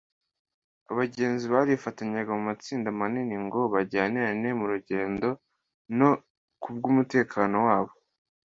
abagenzi barifatanyaga mu matsinda manini ngo bajyanirane mu rugendo no kubw’umutekano wabo